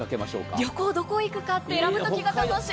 旅行どこ行くかと選ぶときが楽しい。